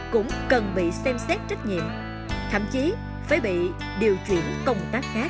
cũng cần bị xem xét trách nhiệm thậm chí phải bị điều chuyển công tác khác